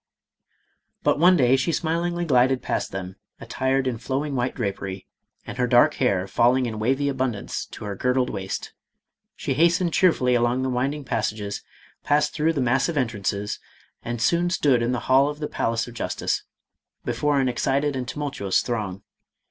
But one day she smilingly glided past them, attired in flowing white drapery, and her dark hair falling in wavy abundance to her girdled waist. She hastened cheerfully along the winding passages, passed through the massive entrances, and soon stood in the Hall of the Palace of Justice, before an excited and tumultuous throng.